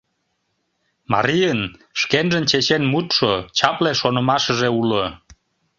Марийын шкенжын чечен мутшо, чапле шонымашыже уло.